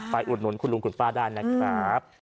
อุดหนุนคุณลุงคุณป้าได้นะครับ